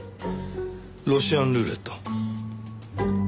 ロシアンルーレット？